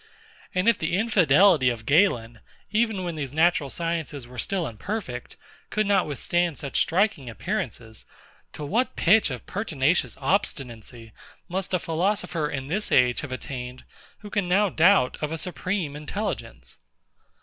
And if the infidelity of GALEN, even when these natural sciences were still imperfect, could not withstand such striking appearances, to what pitch of pertinacious obstinacy must a philosopher in this age have attained, who can now doubt of a Supreme Intelligence!